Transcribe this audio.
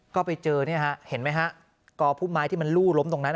ก็ไปเจอเนี่ยฮะเห็นไหมฮะกอพุ่มไม้ที่มันลู่ล้มตรงนั้น